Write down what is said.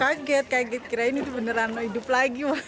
kaget kaget kira ini beneran hidup lagi